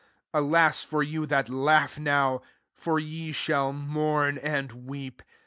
Alas [for you] that laugh now! for ye shall mourn and weep.